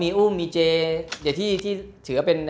มีอุ้มมีเจที่ถือว่าเป็น